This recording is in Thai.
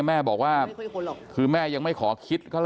แม่บอกว่าคือแม่ยังไม่ขอคิดเท่าไ